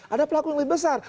ada pelaku yang lebih besar